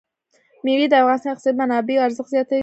مېوې د افغانستان د اقتصادي منابعو ارزښت زیاتوي.